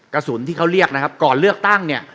กระสุนที่เขาเรียกนะครับก่อนเลือกตั้งเนี่ย